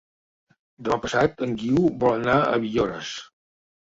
Demà passat en Guiu vol anar a Villores.